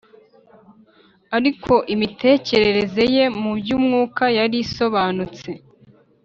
. Ariko imitekerereze ye, mu by’umwuka yari isobanutse